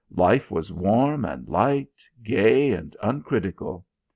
Life was warm and light, gay and uncritical.